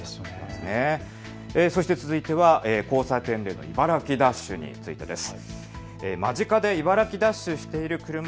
そして続いては交差点での茨城ダッシュについてです。